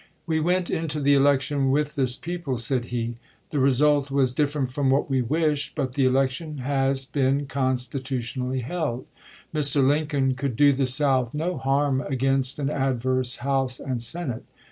" We went into the election with this people," said he. "The result was different from what we wished ; but the elec tion has been constitutionally held." Mr. Lincoln could do the South no harm against an adverse House and Senate.